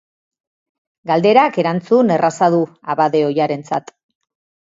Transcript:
Galderak erantzun erraza du abade ohiarentzat.